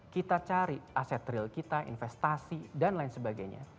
kita cari aset real kita investasi dan lain sebagainya